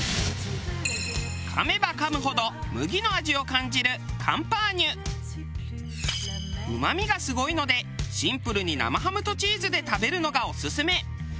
かめばかむほど麦の味を感じるうまみがすごいのでシンプルに生ハムとチーズで食べるのがオススメ。